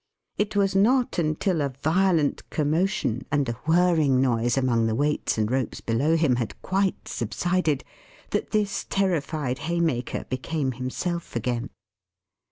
It was not until a violent commotion and a whirring noise among the weights and ropes below him had quite subsided, that this terrified Haymaker became himself again.